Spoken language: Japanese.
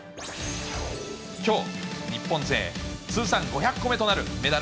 きょう、日本勢通算５００個目となるメダル